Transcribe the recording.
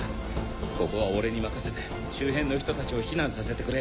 ここは俺に任せて周辺の人たちを避難させてくれ。